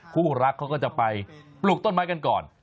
คู่รักเขาก็จะไปปลูกต้นไม้กันก่อน